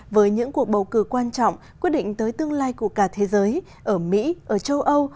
với những cuộc bầu cử quan trọng quyết định tới tương lai của cả thế giới ở mỹ ở châu âu